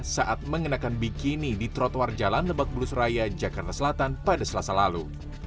saat mengenakan bikini di trotoar jalan lebak bulus raya jakarta selatan pada selasa lalu